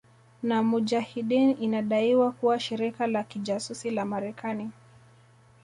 na mujahideen inadaiwa kuwa shirika la kijasusi la Marekani